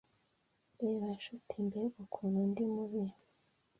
reba nshuti mbega ukuntu ndi mubi